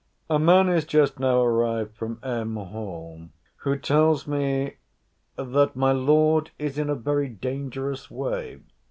A man is just now arrived from M. Hall, who tells me, that my Lord is in a very dangerous way.